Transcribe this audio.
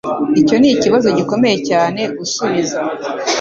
Icyo nikibazo gikomeye cyane gusubiza.